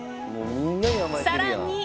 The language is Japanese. さらに。